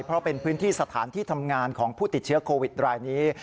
เพราะเป็นพื้นที่สถานที่ทำงานของผู้ติดเชื้อโควิดรายนี้